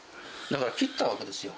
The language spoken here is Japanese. だから切ったわけですよ。